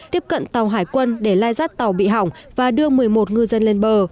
tiếp cận tàu hải quân để lai rắt tàu bị hỏng và đưa một mươi một ngư dân lên bờ